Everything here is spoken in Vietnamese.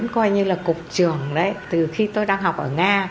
coi như là cục trường đấy từ khi tôi đang học ở nga